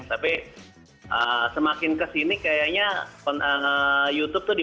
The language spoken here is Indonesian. tapi semakin kesini kayaknya youtube itu dipengaruhi